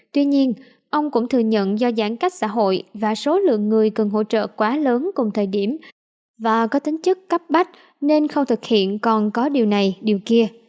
tuy nhiên ông cũng thừa nhận do giãn cách xã hội và số lượng người cần hỗ trợ quá lớn cùng thời điểm và có tính chất cấp bách nên khâu thực hiện còn có điều này điều kia